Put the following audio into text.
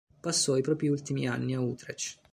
Passò i propri ultimi anni a Utrecht.